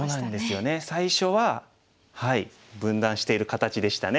最初は分断している形でしたね。